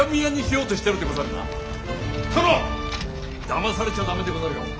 だまされちゃ駄目でござるよ。